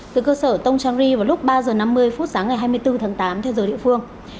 từ cơ sở tông trang ri vào lúc ba h năm mươi phút sáng ngày hai mươi bốn tháng tám theo giờ địa phương